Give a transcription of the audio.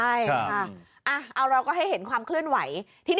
ใช่ค่ะเอาเราก็ให้เห็นความเคลื่อนไหว